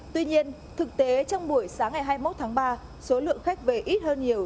tuy nhiên thực tế trong buổi sáng ngày hai mươi một tháng ba số lượng khách về ít hơn nhiều